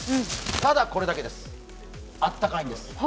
ただこれだけです、暖かいんです。